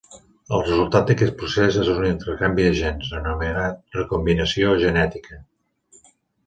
El resultat d'aquest procés és un intercanvi de gens, anomenat recombinació genètica.